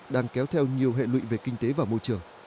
đang kéo theo nhiều hệ lụy về kinh tế và môi trường